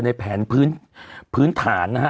ในแผนพื้นฐานนะฮะ